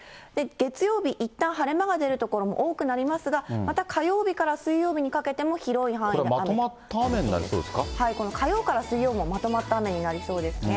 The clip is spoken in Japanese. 月曜日、いったん晴れ間が出る所も多くなりますが、また火曜日から水曜日にかけても、これ、まとまった雨になりそうですか？